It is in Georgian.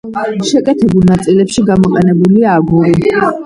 შეკეთებულ ნაწილებში გამოყენებულია აგური.